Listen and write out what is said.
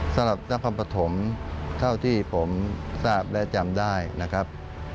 สำหรับนครปฐมเท่าที่ผมทราบและจำได้นะครับ